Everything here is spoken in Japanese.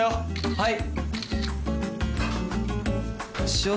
はい。